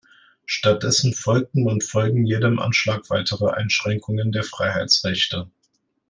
Stattdessen folgten und folgen jedem Anschlag weitere Einschränkungen der Freiheitsrechte.